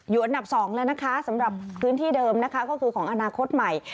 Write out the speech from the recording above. อันดับ๒แล้วนะคะสำหรับพื้นที่เดิมนะคะก็คือของอนาคตใหม่